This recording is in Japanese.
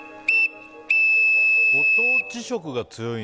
ご当地色が強い。